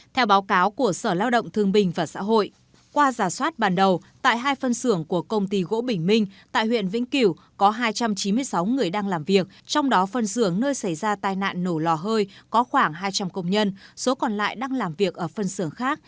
theo báo cáo của sở lao động thương bình và xã hội qua giả soát ban đầu tại hai phân xưởng của công ty gỗ bình minh tại huyện vĩnh kiểu có hai trăm chín mươi sáu người đang làm việc trong đó phân xưởng nơi xảy ra tai nạn nổ lò hơi có khoảng hai trăm linh công nhân số còn lại đang làm việc ở phân xưởng khác